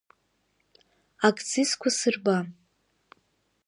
Акцизқәа сырба!